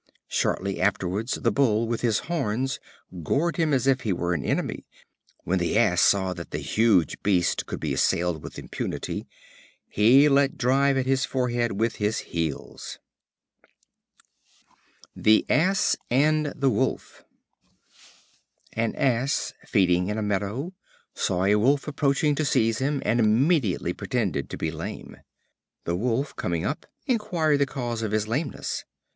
Shortly afterwards the Bull with his horns gored him as if he were an enemy. When the Ass saw that the huge beast could be assailed with impunity, he let drive at his forehead with his heels. The Ass and the Wolf. An Ass, feeding in a meadow, saw a Wolf approaching to seize him, and immediately pretended to be lame. The Wolf, coming up, inquired the cause of his lameness.